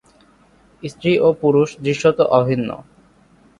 স্ত্রী ও পুরুষ দৃশ্যত অভিন্ন।